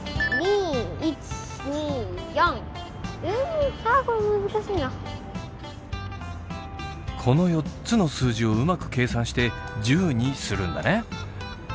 うんこの４つの数字をうまく計算して１０にするんだね。